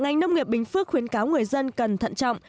ngành nông nghiệp bình phước khuyến cáo người dân cần thận trọng